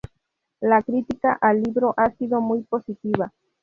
La crítica al libro ha sido muy positiva.